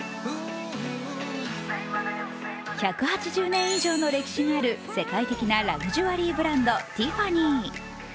１８０年以上の歴史がある世界的なラグジュアリーブランドティファニー。